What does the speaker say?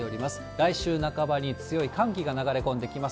来週半ばに強い寒気が流れ込んできます。